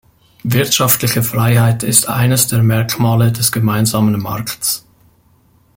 Wirtschaftliche Freiheit ist eines der Merkmale des gemeinsamen Markts.